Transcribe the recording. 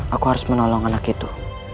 aku harus menolong anak itu